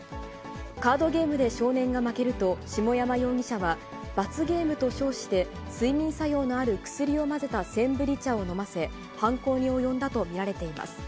カードゲームで少年が負けると下山容疑者は、罰ゲームと称して、睡眠作用のある薬を混ぜたセンブリ茶を飲ませ、犯行に及んだと見られています。